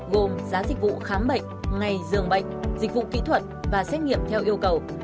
gồm giá dịch vụ khám bệnh ngày dường bệnh dịch vụ kỹ thuật và xét nghiệm theo yêu cầu